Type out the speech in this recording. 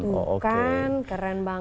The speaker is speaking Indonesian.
tuh kan keren banget